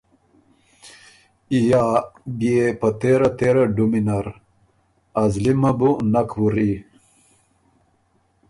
یا بيې په تېره تېره ډُمی نر۔ ازلی مه بُو نک وُری“۔